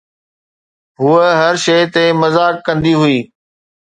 هوءَ هر شيءِ تي مذاق ڪندي هئي